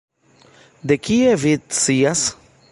De kie vi scias?